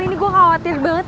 ini gue khawatir banget